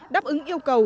đáp ứng yêu cầu